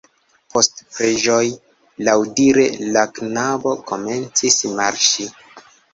Post preĝoj, laŭdire la knabo komencis marŝi.